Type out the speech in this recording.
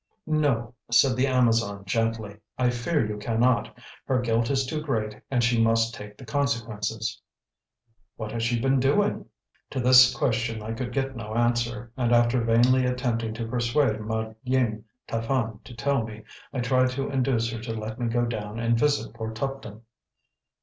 "No," said the Amazon, gently, "I fear you cannot. Her guilt is too great, and she must take the consequences." "What has she been doing?" To this question I could get no answer; and after vainly attempting to persuade Ma Ying Taphan to tell me, I tried to induce her to let me go down and visit poor Tuptim.